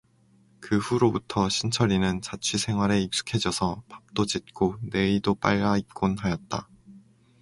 그 후로부터 신철이는 자취생활에 익숙해져서 밥도 짓고 내의도 빨아 입곤 하였다.